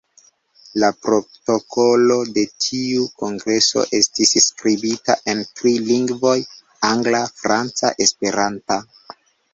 La protokolo de tiu kongreso estis skribita en tri lingvoj: angla, franca, esperanta.